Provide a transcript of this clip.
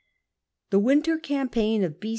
The winter campaign of B.